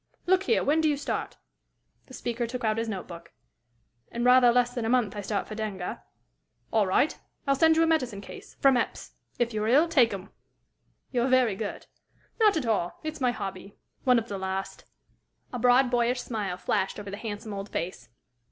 Look here; when do you start?" The speaker took out his note book. "In rather less than a month I start for Denga." "All right. I'll send you a medicine case from Epps. If you're ill, take 'em." "You're very good." "Not at all. It's my hobby one of the last." A broad, boyish smile flashed over the handsome old face.